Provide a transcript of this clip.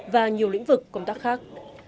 và nhiều lĩnh vực công tác khác